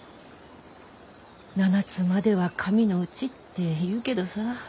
「七つまでは神のうち」って言うけどさ。